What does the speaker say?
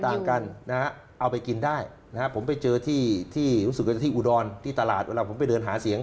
ต่างกันนะฮะเอาไปกินได้นะฮะผมไปเจอที่ที่รู้สึกกันที่อุดรที่ตลาดเวลาผมไปเดินหาเสียง